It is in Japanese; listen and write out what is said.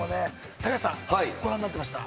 高橋さん、ご覧になってました？